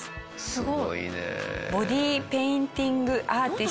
すごいね。